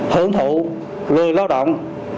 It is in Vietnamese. hưởng thụ lưu lao động